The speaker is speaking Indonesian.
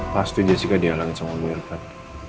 pasti jessica dialami sama wilvan